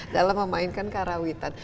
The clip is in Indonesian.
dalam memainkan karawanan